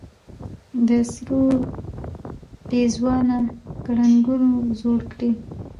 د سرو پېزوانه ګړنګو زوړ کړې